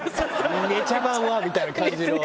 「ねちゃばんは」みたいな感じの。